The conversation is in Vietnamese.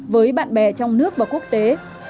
với bạn bè trong nước và quốc tế